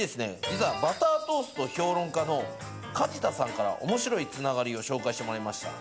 実はバタートースト評論家の梶田さんから面白い繋がりを紹介してもらいました